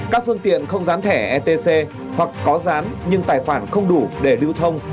các phương tiện không gián thẻ etc hoặc có dán nhưng tài khoản không đủ để lưu thông